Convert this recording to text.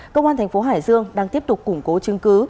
công an thành phố hải dương đang tiếp tục củng cố chứng cứ